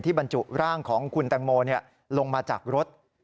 บรรจุร่างของคุณแตงโมลงมาจากรถ